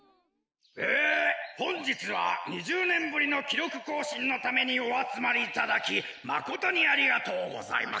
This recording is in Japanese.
えほんじつは２０ねんぶりのきろくこうしんのためにおあつまりいただきまことにありがとうございます。